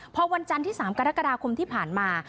พอวันจันทร์ที่๓กรกฎาคมที่ผ่านมา